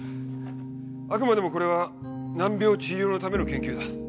あくまでもこれは難病治療のための研究だ。